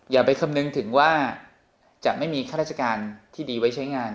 อย่าไปคำนึงถึงว่าจะไม่มีข้าราชการที่ดีไว้ใช้งาน